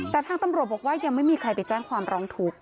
แต่ทางตำรวจบอกว่ายังไม่มีใครไปแจ้งความร้องทุกข์